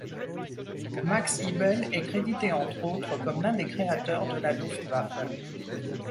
Max Ibel est crédité entre autres comme l'un des créateurs de la Luftwaffe.